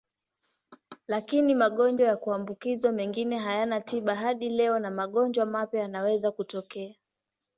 Lakini magonjwa ya kuambukizwa mengine hayana tiba hadi leo na magonjwa mapya yanaweza kutokea.